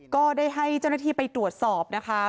ก็ได้ให้เจ้าหน้าที่ไปตรวจสอบนะคะ